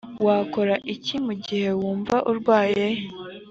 wakora iki mu gihe wumva urwaye‽